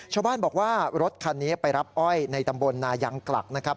ชาวบ้านบอกว่ารถคันนี้ไปรับอ้อยในตำบลนายังกลักนะครับ